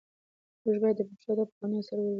موږ باید د پښتو ادب پخواني اثار ولولو.